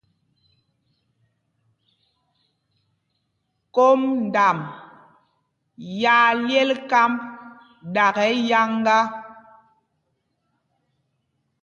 Kôm ndam yaa lyel kámb ɗakɛ yáŋgá.